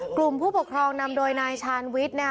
ผู้ปกครองนำโดยนายชาญวิทย์